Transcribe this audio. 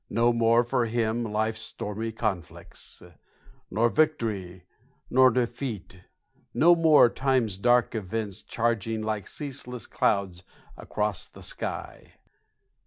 No more for him life's stormy conflicts, Nor victory, nor defeat no more time's dark events, Charging like ceaseless clouds across the sky.